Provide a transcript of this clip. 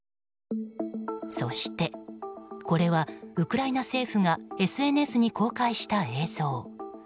そして、これはウクライナ政府がＳＮＳに公開した映像。